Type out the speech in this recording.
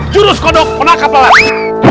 jurus kodok menang kapelan